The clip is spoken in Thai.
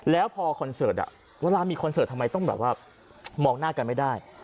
แล้วพอคอนเสิร์ตเวลามีคอนเสิร์ตทำไมต้องแบบว่ามองหน้ากันไม่ได้